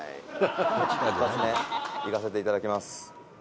「一発目いかせていただきます」